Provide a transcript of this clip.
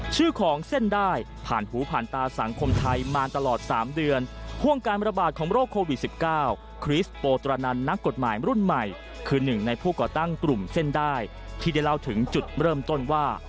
ชื่อของเส้นได้ผ่านหูผ่านตาสังคมไทยมาตลอด๓เดือนห่วงการระบาดของโรคโควิด๑๙คริสโปตรนันนักกฎหมายรุ่นใหม่คือหนึ่งในผู้ก่อตั้งกลุ่มเส้นได้ที่ได้เล่าถึงจุดเริ่มต้นว่า